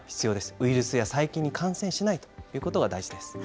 ウイルスや細菌に感染しないということが大事です。